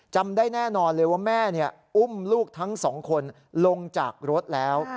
จำได้แน่นอนเลยว่าแม่อุ้มลูกทั้งสองคนลงจากรถแล้ว